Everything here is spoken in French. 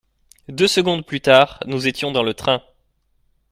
Deux secondes plus tard, nous étions dans le train.